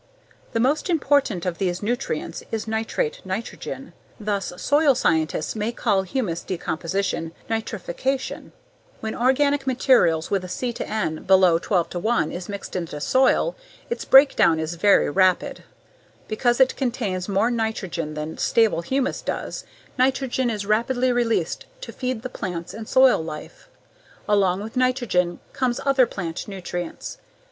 The most important of these nutrients is nitrate nitrogen, thus soil scientists may call humus decomposition "nitrification." When organic material with a C/N below 12:1 is mixed into soil its breakdown is very rapid. Because it contains more nitrogen than stable humus does, nitrogen is rapidly released to feed the plants and soil life. Along with nitrogen comes other plant nutrients.